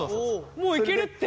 もういけるって。